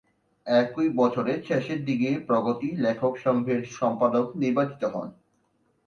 একই বছরের শেষের দিকে প্রগতি লেখক সংঘের সম্পাদক নির্বাচিত হন।